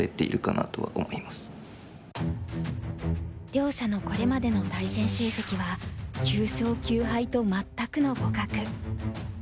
両者のこれまでの対戦成績は９勝９敗と全くの互角。